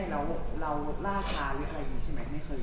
แล้วเราราชาหรืออะไรที่นี่ใช่ไหม